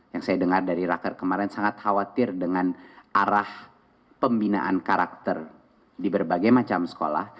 yang saya dengar dari raker kemarin sangat khawatir dengan arah pembinaan karakter di berbagai macam sekolah